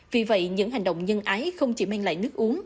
vì vậy những hành động nhân ái không chỉ mang lại nước uống